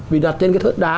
vì đặt trên cái thớt đá